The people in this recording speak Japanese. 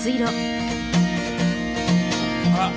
あら。